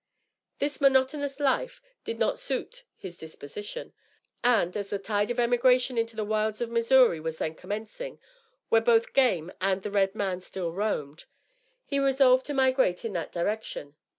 This monotonous life did not suit his disposition; and, as the tide of emigration into the wilds of Missouri was then commencing, where both game and the red man still roamed, he resolved to migrate in that direction.